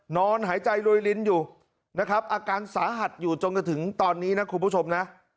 นอนหายใจรวยลินอยู่นะครับอาการสาหัสอยู่จนจนถึงตอนนี้นะคุณผู้ชมนะ